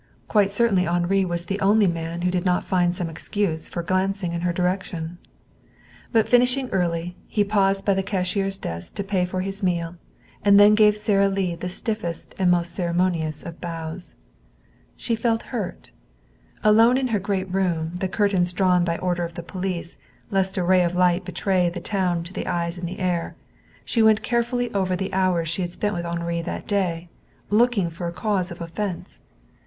Quite certainly Henri was the only man who did not find some excuse for glancing in her direction. But finishing early, he paused by the cashier's desk to pay for his meal, and then he gave Sara Lee the stiffest and most ceremonious of bows. She felt hurt. Alone in her great room, the curtains drawn by order of the police, lest a ray of light betray the town to eyes in the air, she went carefully over the hours she had spent with Henri that day, looking for a cause of offense.